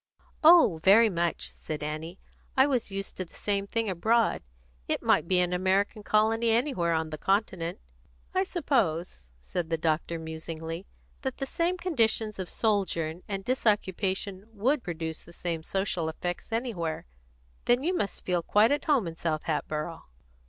"Oh, very much," said Annie. "I was used to the same thing abroad. It might be an American colony anywhere on the Continent." "I suppose," said the doctor musingly, "that the same conditions of sojourn and disoccupation would produce the same social effects anywhere. Then you must feel quite at home in South Hatboro'!"